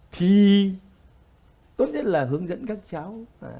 thì tốt nhất là hướng dẫn các cháu